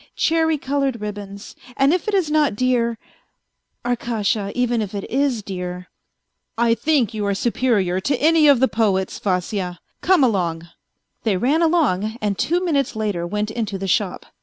Cherry coloured ribbons, and if it is not dear ... Arkasha, even if it is dear. ..."" I think you are superior to any of the poets. Vasya. Come along." They ran along, and two minutes later went into the shop.